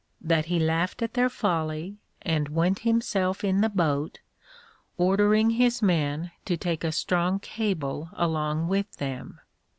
That he laughed at their folly, and went himself in the boat, ordering his men to take a strong cable along with them.